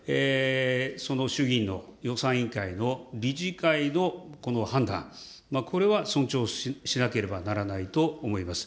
その衆議院の予算委員会の理事会のこの判断、これは尊重しなければならないと思います。